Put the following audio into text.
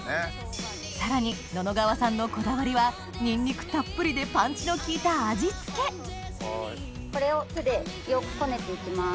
さらに野々川さんのこだわりはにんにくたっぷりでパンチの利いた味付けこれを手でよくこねて行きます。